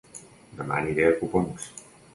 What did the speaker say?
Dema aniré a Copons